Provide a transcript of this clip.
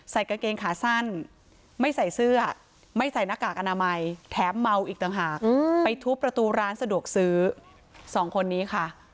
กางเกงขาสั้นไม่ใส่เสื้อไม่ใส่หน้ากากอนามัยแถมเมาอีกต่างหากไปทุบประตูร้านสะดวกซื้อสองคนนี้ค่ะ